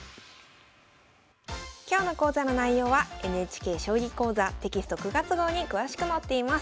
今日の講座の内容はＮＨＫ「将棋講座」テキスト９月号に詳しく載っています。